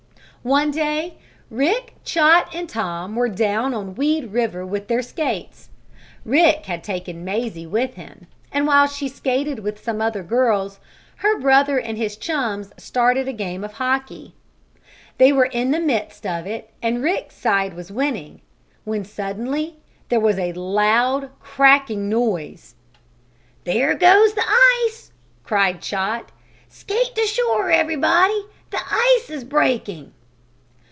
One day Rick, Chot and Tom were down on Weed River with their skates. Rick had taken Mazie with him, and while she skated with some other little girls, her brother and his chums started a game of hockey. They were in the midst of it, and Rick's side was winning, when, suddenly, there sounded a loud, cracking noise. "There goes the ice!" cried Chot. "Skate to shore, everybody! The ice is breaking!"